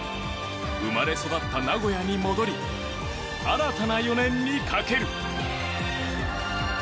生まれ育った名古屋に戻り新たな４年にかける。